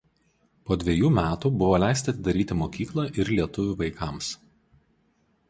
Po dvejų metų buvo leista atidaryti mokyklą ir lietuvių vaikams.